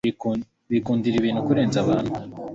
bikundira ibintu kurenza abantu .